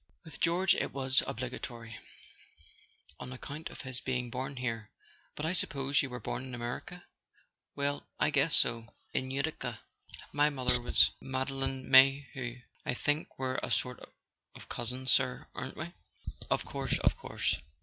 With George it was obligatory—on ac¬ count of his being born here. But I suppose you were born in America ?" "Well, I guess so: in Utica. My mother was Made¬ line May hew. I think we're a sort of cousins, sir, aren't we?" 4 Of course—of course.